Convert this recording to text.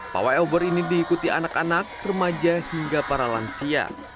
pawai obor ini diikuti anak anak remaja hingga para lansia